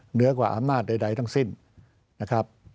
เหนือกว่าอำนาจใดทั้งสิ้นนะครับ